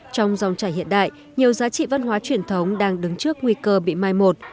trong dòng trải hiện đại nhiều giá trị văn hóa truyền thống đang đứng trước nguy cơ bị mai một